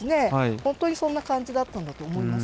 本当にそんな感じだったんだと思います。